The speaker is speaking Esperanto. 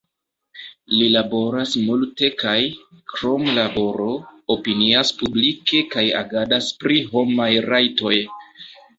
Li laboras multe kaj, krom laboro, opinias publike kaj agadas pri homaj rajtoj.